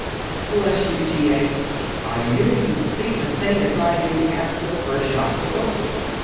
"Bless you, T. A.! I knew you'd see the thing as I do after the first shock was over.